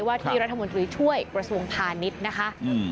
ที่รัฐมนตรีช่วยกระทรวงพาณิชย์นะคะ